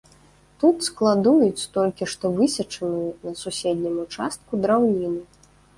Тут складуюць толькі што высечаную на суседнім участку драўніну.